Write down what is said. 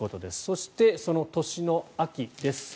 そして、その年の秋です。